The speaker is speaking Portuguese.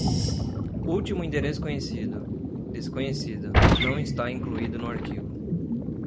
Último endereço conhecido: desconhecido, não está incluído no arquivo.